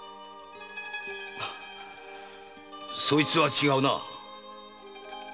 そいつは違うな。